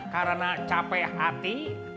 karena capek hati